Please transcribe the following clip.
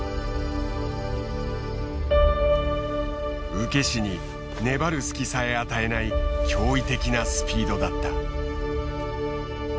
受け師に粘る隙さえ与えない驚異的なスピードだった。